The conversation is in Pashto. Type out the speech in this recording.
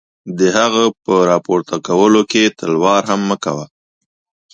د هغه په را پورته کولو کې تلوار هم مه کوه.